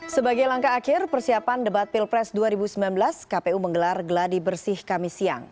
sebagai langkah akhir persiapan debat pilpres dua ribu sembilan belas kpu menggelar geladi bersih kami siang